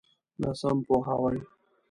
ناسم پوهاوی.